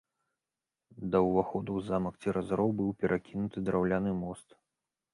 Да ўваходу ў замак цераз роў быў перакінуты драўляны мост.